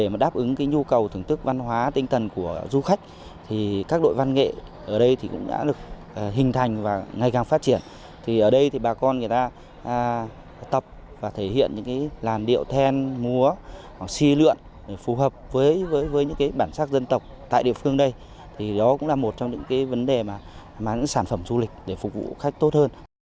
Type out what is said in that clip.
mà những sản phẩm du lịch để phục vụ khách tốt hơn